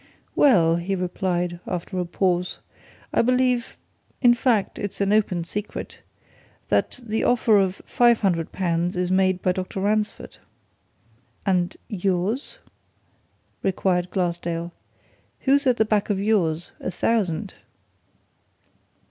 "Well," he replied, after a pause. "I believe in fact, it's an open secret that the offer of five hundred pounds is made by Dr. Ransford." "And yours?" inquired Glassdale. "Who's at the back of yours a thousand?"